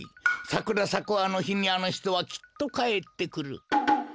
さくらさくあのひにあのひとはきっとかえってくる。